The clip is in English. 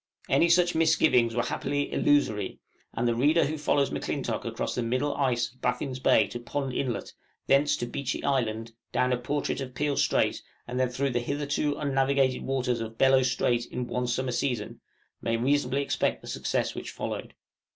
Any such misgivings were happily illusory; and the reader who follows M'Clintock across the "middle ice" of Baffin's Bay to Pond Inlet, thence to Beechey Island, down a portion of Peel Strait, and then through the hitherto unnavigated waters of Bellot Strait in one summer season, may reasonably expect the success which followed.